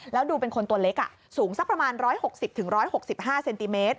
แล้วดูเป็นคนตัวเล็กสูงสักประมาณ๑๖๐๑๖๕เซนติเมตร